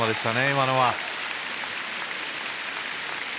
今のは。